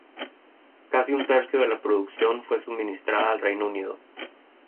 Casi un tercio de la producción fue suministrada al Reino Unido.